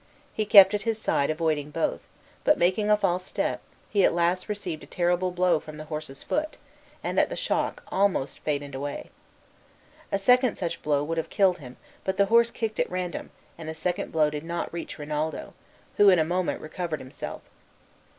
He kept at his side avoiding both; but, making a false step, he at last received a terrible blow from the horse's foot, and at the shock almost fainted away. A second such blow would have killed him, but the horse kicked at random, and a second blow did not reach Rinaldo, who in a moment recovered himself.